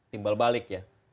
timbal balik ya